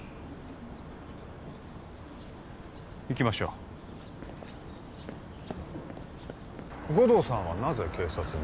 行きましょう護道さんはなぜ警察に？